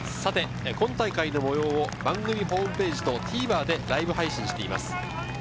今大会の模様を番組ホームページとＴＶｅｒでライブ配信しています。